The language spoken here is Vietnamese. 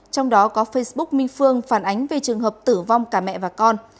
trong đó có facebook minh phương phản ánh về trường hợp tử vong cả mẹ và con